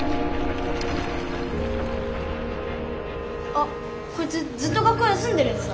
あっこいつずっと学校休んでるやつだ。